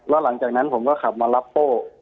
แล้วหลังจากนั้นผมก็ขับมารับโป้